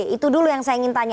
itu dulu yang saya ingin tanya